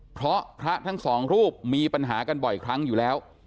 เพราะพระทั้งสองรูปมีปัญหากันบ่อยครั้งอยู่แล้ว